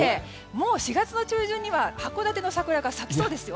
もう４月の中旬には函館の桜が咲きそうですよ。